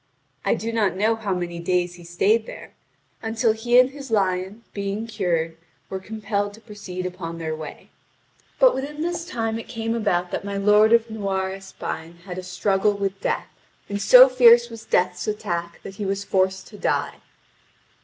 I do not know how many days he stayed there, until he and his lion, being cured, were compelled to proceed upon their way. (Vv. 4703 4736.) But within this time it came about that my lord of Noire Espine had a struggle with Death, and so fierce was Death's attack that he was forced to die.